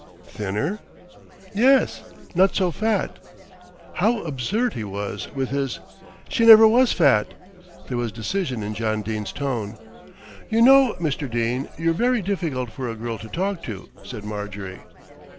"Thinner?" "Yes, not so fat." How absurd he was with his "She never was fat." There was decision in John Dene's tone. "You know, Mr. Dene, you're very difficult for a girl to talk to," said Marjorie.